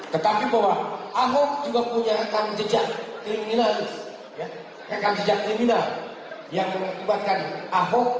tetapi bahwa ahok juga punya rekan jejak kriminal rekan jejak kriminal yang mengibatkan ahok